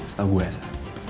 setahu gue sa